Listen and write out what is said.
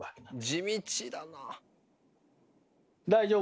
地道だなあ。